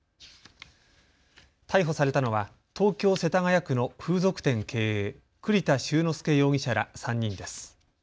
逮捕されたのは東京世田谷区の風俗店経営、栗田周之介容疑者ら３人です。